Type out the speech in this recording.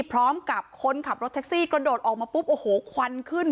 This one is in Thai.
พร้อมกับคนขับรถแท็กซี่กระโดดออกมาปุ๊บโอ้โหควันขึ้น